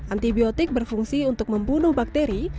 antibiotik berfungsi untuk membunuh bakteri